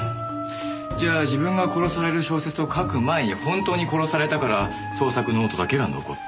じゃあ自分が殺される小説を書く前に本当に殺されたから創作ノートだけが残った。